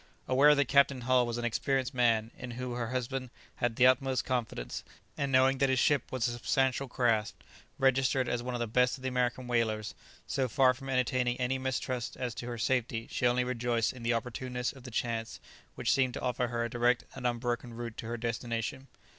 Aware that Captain Hull was an experienced man, in whom her husband had the utmost confidence, and knowing that his ship was a substantial craft, registered as one of the best of the American whalers, so far from entertaining any mistrust as to her safety, she only rejoiced in the opportuneness of the chance which seemed to offer her a direct and unbroken route to her destination.